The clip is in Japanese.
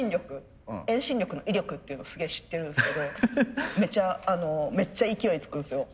遠心力の威力っていうのをすげえ知ってるんすけどめっちゃ勢いつくんすよ。